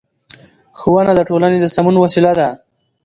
ښوونه د ټولنې د سمون وسیله ده